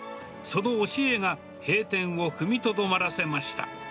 その教えが閉店を踏みとどまらせました。